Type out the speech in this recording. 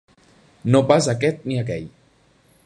No pas aquest ni aquell.